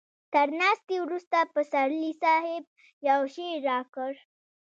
تر ناستې وروسته پسرلي صاحب يو شعر راکړ.